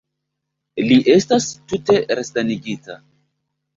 Li estas tute resanigita.